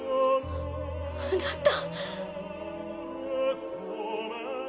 あなた。